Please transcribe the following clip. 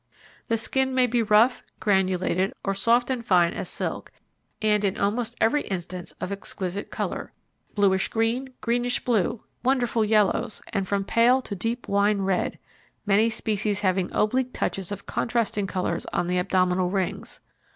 The skin may be rough, granulated, or soft and fine as silk, and in almost every instance of exquisite colour: bluish green, greenish blue, wonderful yellows and from pale to deep wine red, many species having oblique touches of contrasting colours on the abdominal rings.